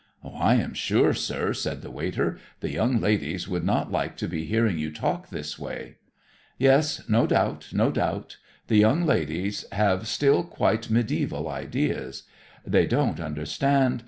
"I am sure, sir," said the waiter, "the young ladies would not like to be hearing you talk this way." "Yes; no doubt, no doubt. The young ladies have still quite medieval ideas. They don't understand.